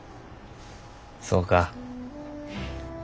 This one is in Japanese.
そうか。